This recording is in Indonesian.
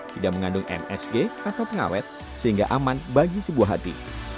tidak mengandung msg atau pengawet sehingga aman bagi sebuah hati